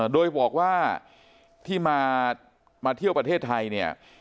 โดยบอกว่าที่มาเที่ยวประเทศไทยเนี่ย